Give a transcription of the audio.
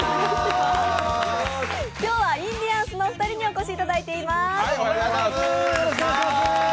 今日はインディアンスのお二人にお越しいただいています。